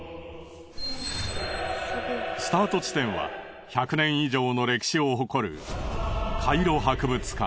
スタート地点は１００年以上の歴史を誇る。